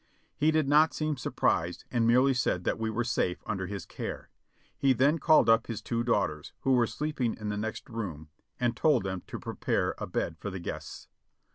He did not seem surprised, and merely said that we were safe under his care. He then called up his two daughters, who were sleeping in the next room, and told them to prepare a bed for the guests.